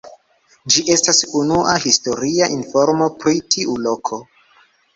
Ĝi estas unua historia informo pri tiu loko.